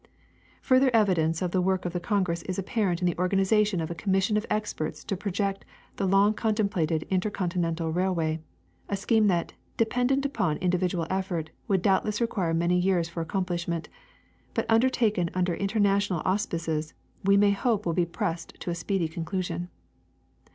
' Further evidence of the work of the congress is apparent in the organization of a commission of experts to project the long contemplated inter continental railway — a scheme that, depend ent upon individual effort, would doubtless require many years for accomplishment, but undertaken under international au spices we may hope will be pressed to a speedy conclusion.